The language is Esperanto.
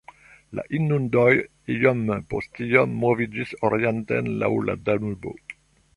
La inundoj iom post iom moviĝis orienten laŭ la Danubo.